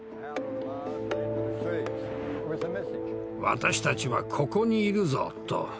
「私たちはここにいるぞ！」と。